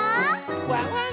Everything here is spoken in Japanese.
ワンワン